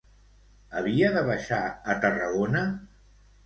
Havia de baixar a Tarragona?